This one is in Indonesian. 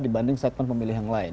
dibanding segmen pemilihan lain